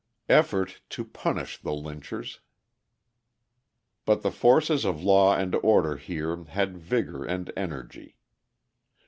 Effort to Punish the Lynchers But the forces of law and order here had vigour and energy.